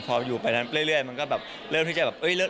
พออยู่ไปเรื่อยมันก็เริ่มที่จะแบบ